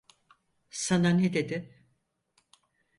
Sana ne dedi?